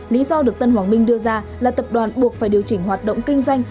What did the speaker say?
lý do được tân hoàng minh đưa ra là tập đoàn buộc phải điều chỉnh hoạt động kinh doanh